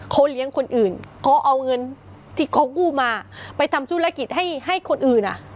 เขาเลี้ยงคนอื่นเขาเอาเงินที่เขากู้มาไปทำธุรกิจให้ให้คนอื่นอ่ะ